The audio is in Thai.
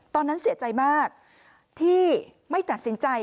ตอนนั้นเสียใจมากที่ไม่ตัดสินใจ